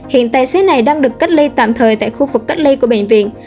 hiện tài xế này đang được cách ly tạm thời tại khu vực cách ly của bệnh viện